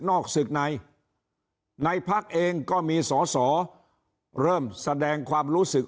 อกศึกในในพักเองก็มีสอสอเริ่มแสดงความรู้สึก